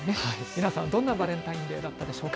皆さん、どんなバレンタインデーだったでしょうか。